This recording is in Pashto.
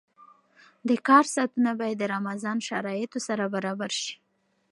د کار ساعتونه باید د رمضان شرایطو سره برابر شي.